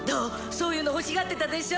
そういうの欲しがってたでしょ？